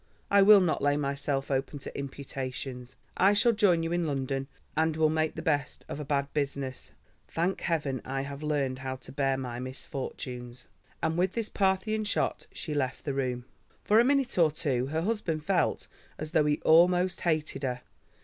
I will not lay myself open to imputations. I shall join you in London, and will make the best of a bad business. Thank Heaven, I have learned how to bear my misfortunes," and with this Parthian shot she left the room. For a minute or two her husband felt as though he almost hated her.